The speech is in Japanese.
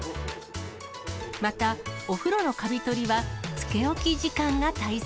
またお風呂のかび取りは、つけ置き時間が大切。